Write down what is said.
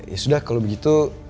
ya sudah kalau begitu